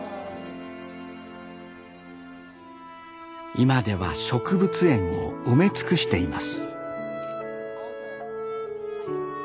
今では植物園を埋め尽くしています